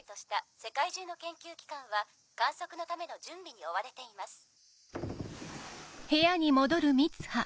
世界中の研究機関は観測のための準備に追われています。